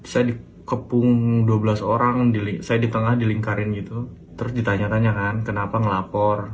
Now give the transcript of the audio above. saya dikepung dua belas orang saya di tengah dilingkarin gitu terus ditanya tanya kan kenapa ngelapor